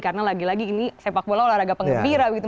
karena lagi lagi ini sepak bola olahraga pengebira gitu